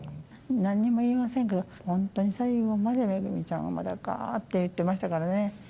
なんにも言いませんけど、本当に最期まで、めぐみちゃんはまだかって言ってましたからね。